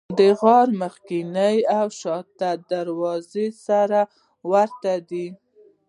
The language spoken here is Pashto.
د غار مخکینۍ او شاته دروازه سره ورته دي.